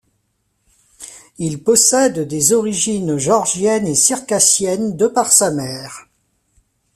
Il possède des origines géorgienne et circassienne de par sa mère.